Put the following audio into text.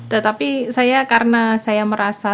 tetapi saya karena saya merasa